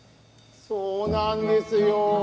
そうなんですよ。